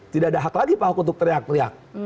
tidak ada hak lagi pak ahok untuk teriak teriak